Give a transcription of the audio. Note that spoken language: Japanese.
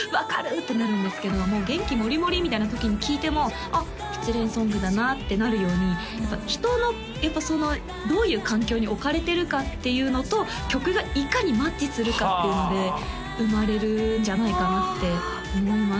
ってなるんですけどもう元気もりもりみたいな時に聴いてもあっ失恋ソングだなってなるようにやっぱ人のどういう環境に置かれてるかっていうのと曲がいかにマッチするかっていうので生まれるんじゃないかなって思います